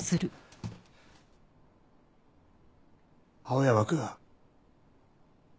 青山君。